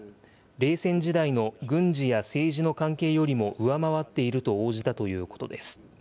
冷戦時代の軍事や政治の関係よりも上回っていると応じたということです。